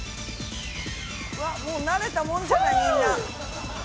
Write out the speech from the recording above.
わっもう慣れたもんじゃないみんな。